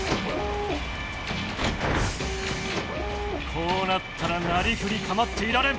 こうなったらなりふりかまっていられん！